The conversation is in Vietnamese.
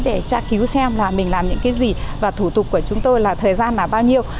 để tra cứu xem là mình làm những cái gì và thủ tục của chúng tôi là thời gian là bao nhiêu